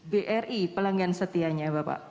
bri pelanggan setianya bapak